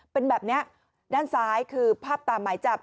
เป็นแบบนี้ด้านซ้ายคือภาพตามหมายจับ